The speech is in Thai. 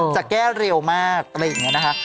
จะแก้เร็วมากอะไรอย่างนี้นะคะ